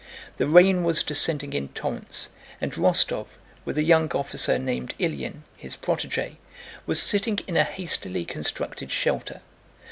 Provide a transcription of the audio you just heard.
The rain was descending in torrents, and Rostóv, with a young officer named Ilyín, his protégé, was sitting in a hastily constructed shelter.